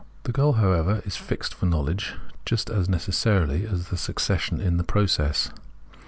The goal, however, is fixed for Imowledge just as Introduction S^ necessarily as the succession in the process.